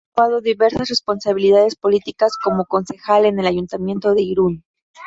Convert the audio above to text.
Ha ocupado diversas responsabilidades políticas, como concejal en el Ayuntamiento de Irún.